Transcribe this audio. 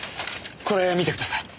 これ見てください。